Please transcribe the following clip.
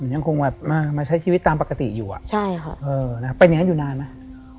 ยังคงแบบมามาใช้ชีวิตตามปกติอยู่อ่ะใช่ค่ะเออนะเป็นอย่างนั้นอยู่นานไหม